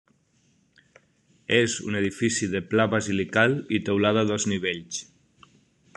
És un edifici de pla basilical i teulada a dos nivells.